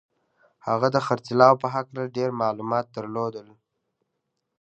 هغه د خرڅلاو په هکله ډېر معلومات درلودل